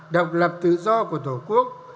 độc lập tự do của tổ quốc